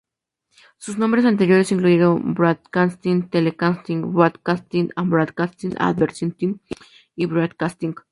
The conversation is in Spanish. Sus nombres anteriores incluyeron "Broadcasting-Telecasting", "Broadcasting and Broadcast Advertising", y "Broadcasting".